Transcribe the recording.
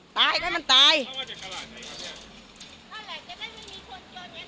คนตายสี่สิบคนคนคนฆ่าตัวตายสี่สิบคนคนติดโควิดก็สี่สิบคน